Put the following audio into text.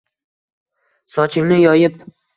Sochingni yoyib